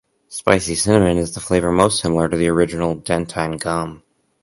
Spicy Cinnamon is the flavor most similar to the original Dentyne Gum.